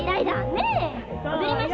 ねえ。